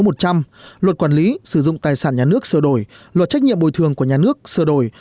luật quản lý sử dụng tài sản nhà nước sửa đổi luật trách nhiệm bồi thường của nhà nước sửa đổi